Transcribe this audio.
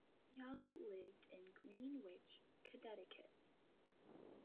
Young lived in Greenwich, Connecticut.